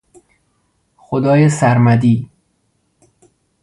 خدای سرمدی